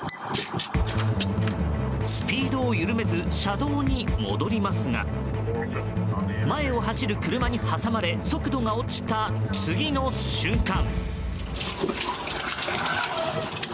スピードを緩めず車道に戻りますが前を走る車に挟まれ速度が落ちた次の瞬間。